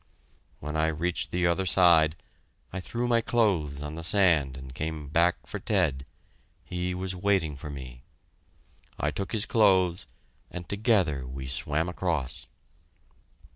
When I reached the other side, I threw my clothes on the sand and came back far Ted he was waiting for me. I took his clothes, and together we swam across!